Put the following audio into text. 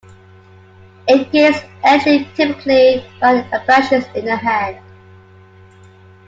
It gains entry typically by abrasions in the hand.